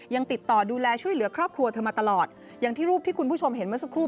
ยังติดต่อดูแลช่วยเหลือครอบครัวเธอมาตลอดอย่างที่รูปที่คุณผู้ชมเห็นเมื่อสักครู่